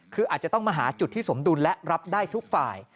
คืออาจจะต้องมาหาจุดที่สมดุลและรับได้ทุกฝ่าย